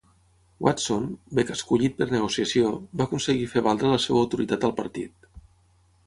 Watson, bé que escollit per negociació, va aconseguir fer valdre la seva autoritat al partit.